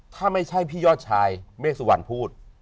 ถ้าไม่ใช่พี่ยอดชายเมฆสุวรรณพูด